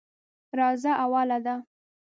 راځه اوله ده.